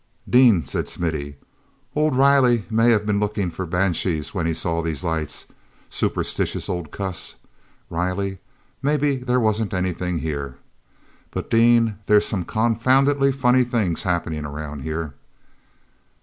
"Dean," said Smithy, "old Riley may have been looking for banshees when he saw these lights. Superstitious old cuss, Riley! Maybe there wasn't anything here. But, Dean, there's some confoundedly funny things happening around here."